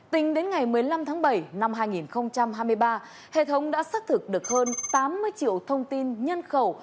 tính đến ngày một mươi năm tháng bảy năm hai nghìn hai mươi ba hệ thống đã xác thực được hơn tám mươi triệu thông tin nhân khẩu